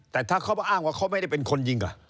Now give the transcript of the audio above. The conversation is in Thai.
แต่ถ้าเขามาอ้างว่าเขาไม่ได้เป็นคนยิง